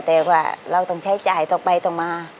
แต่ว่าเราต้องใช้จ่ายต่อไปต่อมา